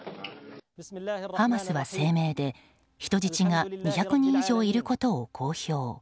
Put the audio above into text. ハマスは声明で、人質が２００人以上いることを公表。